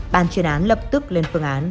bàn truyền án lập tức lên phương án